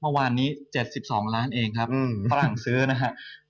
เมื่อวานนี้๗๒ล้านเองครับฝรั่งซื้อนะครับ